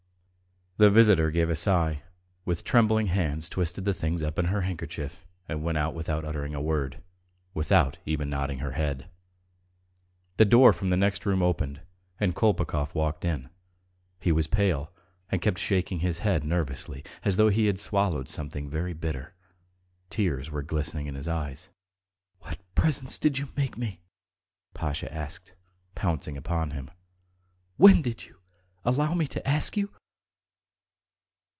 The visitor gave a sigh, with trembling hands twisted the things up in her handkerchief, and went out without uttering a word, without even nodding her head. The door from the next room opened and Kolpakov walked in. He was pale and kept shaking his head nervously, as though he had swallowed something very bitter; tears were glistening in his eyes. "What presents did you make me?" Pasha asked, pouncing upon him. "When did you, allow me to ask you?"